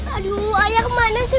aduh ayah kemana sih